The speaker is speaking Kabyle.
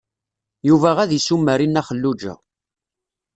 Yuba ad isumer i Nna Xelluǧa.